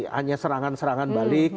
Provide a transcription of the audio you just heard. hanya serangan serangan balik